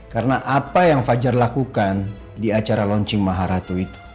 karena apa yang fajar lakukan di acara launching maharatu itu